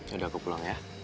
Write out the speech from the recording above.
yaudah aku pulang ya